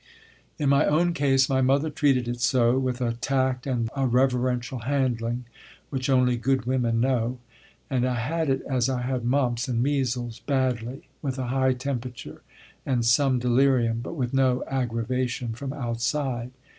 In my own case my mother treated it so, with a tact and a reverential handling which only good women know, and I had it as I had mumps and measles, badly, with a high temperature and some delirium but with no aggravation from outside.